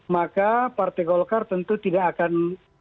maka partai golkar tentu tidak akan